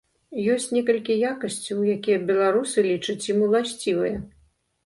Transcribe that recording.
Ёсць некалькі якасцяў, якія беларусы лічаць ім уласцівыя.